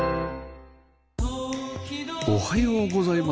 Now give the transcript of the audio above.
おはようございます。